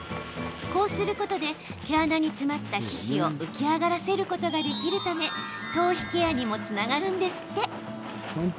こうすることで毛穴に詰まった皮脂を浮き上がらせることができるため頭皮ケアにもつながるんですって。